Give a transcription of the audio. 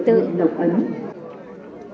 thì xếp hàng trật tự